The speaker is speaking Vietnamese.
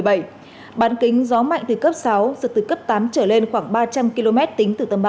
dự báo trong hai mươi bốn h tối nay gió mạnh từ cấp sáu giật từ cấp tám trở lên khoảng ba trăm linh km tính từ tâm bão